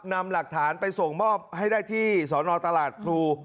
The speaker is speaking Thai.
นำหลักฐานไปส่งมอบให้ได้ที่สนตลาดครู